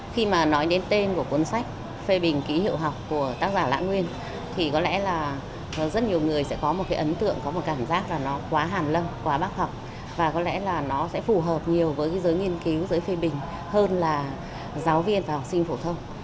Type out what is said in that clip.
khi mà nói đến tên của cuốn sách phê bình ký hiệu học của tác giả lã nguyên thì có lẽ là rất nhiều người sẽ có một cái ấn tượng có một cảm giác là nó quá hàn lâm quá bác học và có lẽ là nó sẽ phù hợp nhiều với giới nghiên cứu giới phê bình hơn là giáo viên và học sinh phổ thông